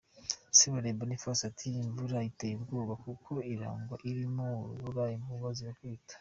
Sebarebe Boniface ati “Imvura iteye ubwoba kuko iragwa irimo urubura, inkuba zigakubita.